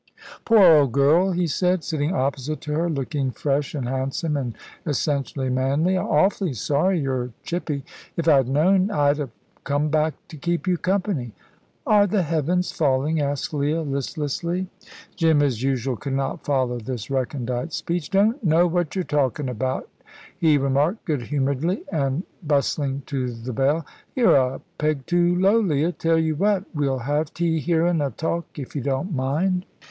"Poor old girl," he said, sitting opposite to her, looking fresh and handsome, and essentially manly. "'Awfully sorry you're chippy. If I'd known I'd ha' come back to keep you company." "Are the heavens falling?" asked Leah, listlessly. Jim, as usual, could not follow this recondite speech. "Don't know what you're talkin' about," he remarked good humouredly, and bustling to the bell. "You're a peg too low, Leah. Tell you what: we'll have tea here, an' a talk, if you don't mind."